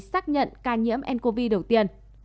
xác nhận ca nhiễm ncov đầu tiên